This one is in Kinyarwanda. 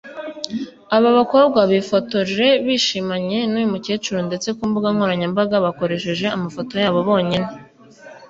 aba bakobwa bifotoje bishimanye n’uyu mukecuru ndetse ku mbuga nkoranyambaga bakoresheje amafoto yabo bonyine